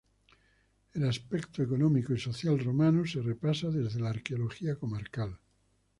El aspecto económico y social romano se repasa desde la arqueología comarcal.